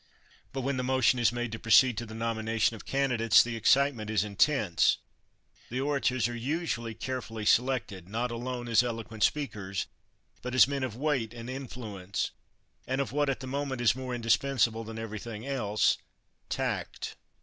But when the motion is made to proceed to the nomination of candidates, the excitement is intense. The orators are usually carefully selected, not alone as eloquent speakers, but as men of weight and influence, and of what at the moment is more indispensable than everything else tact.